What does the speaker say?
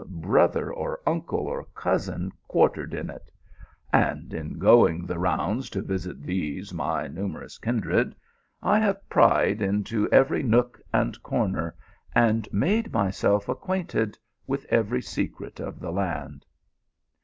brother, or uncle, or cousin quartered in it ; and in going the rounds to visit these my numerous kindred I have pryed into every nook and corner, and made myself acquainted with every secret of the land."